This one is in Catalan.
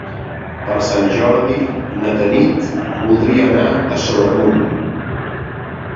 Per Sant Jordi na Tanit voldria anar a Sobremunt.